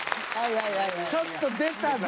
ちょっと出たぞ。